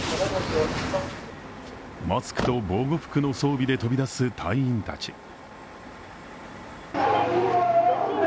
マスクと防護服の装備で飛び出す隊員たち。